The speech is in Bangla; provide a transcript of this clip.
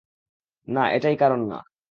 না, এটাই কারণ না।